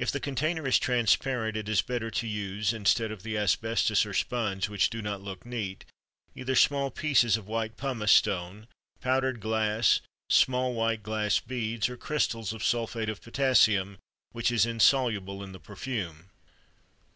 If the container is transparent, it is better to use, instead of the asbestos or sponge which do not look neat, either small pieces of white pumice stone, powdered glass, small white glass beads, or crystals of sulphate of potassium which is insoluble in the perfume.